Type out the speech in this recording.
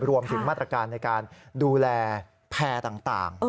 รวมถึงมาตรการในการดูแลแพร่ต่าง